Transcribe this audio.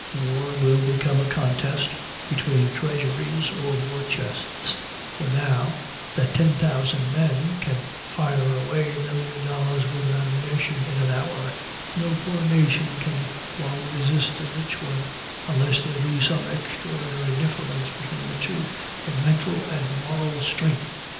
War will become a contest between treasuries or war chests; for now that 10,000 men can fire away a million dollars' worth of ammunition in an hour, no poor nation can long resist a rich one, unless there be some extraordinary difference between the two in mental and moral strength.